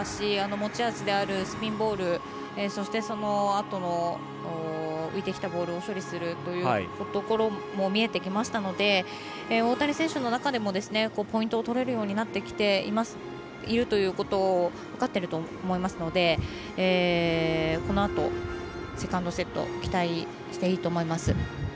持ち味であるスピンボールそして、そのあとの浮いてきたボールを処理するというところも見えてきましたので大谷選手の中でもポイントが取れるようになってきているというのを分かってると思いますのでこのあと、セカンドセット期待していいと思います。